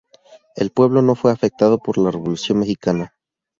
El pueblo no fue afectado por la Revolución Mexicana.